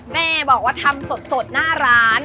แม่บอกว่าทำสดหน้าร้าน